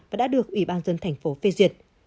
và đã được ủy ban dân tp hcm phê duyệt